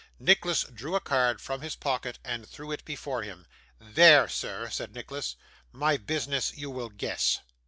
Nicholas drew a card from his pocket, and threw it before him. 'There, sir,' said Nicholas; 'my business you will guess.